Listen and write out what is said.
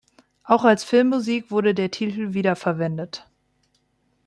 Auch als Filmmusik wurde der Titel wiederverwendet.